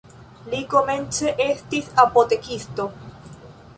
Li komence estis apotekisto.